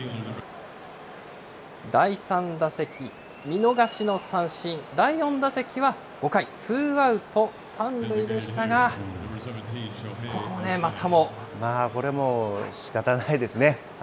第３打席、見逃しの三振、第４打席は５回、ツーアウト３塁でこれもう、しかたがないです